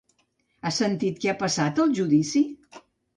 Has sentit què ha passat al judici?